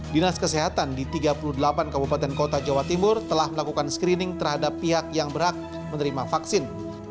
dinas kesehatan di tiga puluh delapan kabupaten kota jawa timur telah melakukan screening terhadap pihak yang berhak menerima vaksin